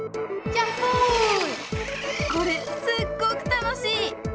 これすっごく楽しい！